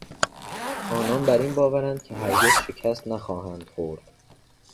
آنان بر این باورند که هرگز شکست نخواهند خورد.